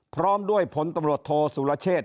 พร้อมด้วยพนตรวจโทษธุรเชศ